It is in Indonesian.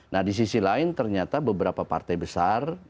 nah di sisi lain ternyata beberapa partai besar